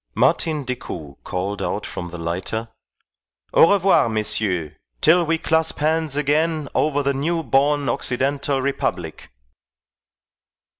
Martin Decoud called out from the lighter, "Au revoir, messieurs, till we clasp hands again over the new born Occidental Republic."